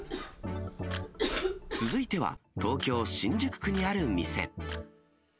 続いては、東京・新宿区にある店。